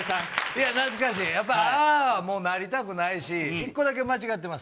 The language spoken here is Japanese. やっぱ、ああはもうなりたくないし、１個だけ間違ってます。